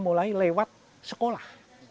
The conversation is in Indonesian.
mulai lewat sekolah